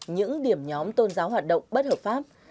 những điểm nhóm tôn giáo hoạt động bất hợp pháp